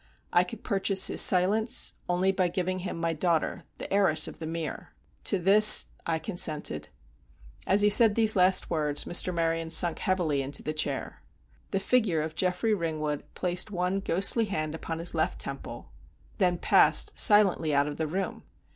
I could purchase his silence only by giving him my daughter, the heiress of The Mere. To this I consented." As he said these last words, Mr. Maryon sunk heavily into the chair. The figure of Geoffrey Ringwood placed one ghostly hand upon his left temple, and then passed silently out of the room.